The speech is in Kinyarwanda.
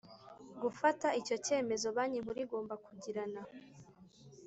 gufata icyo cyemezo Banki Nkuru igomba kugirana